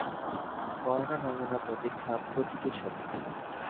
corona নমুনা পরীক্ষাপ্রতীকী ছবি